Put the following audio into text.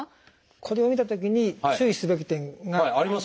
これを見たときに注意すべき点がいくつかあります。